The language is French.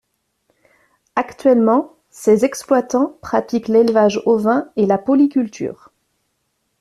Actuellement, ces exploitants pratiquent l’élevage ovin et la polyculture.